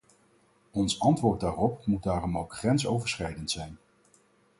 Ons antwoord daarop moet daarom ook grensoverschrijdend zijn.